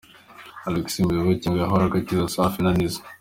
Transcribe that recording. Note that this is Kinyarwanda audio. Alexis Muyoboke ngo yahoraga akiza Safi na Nizzo .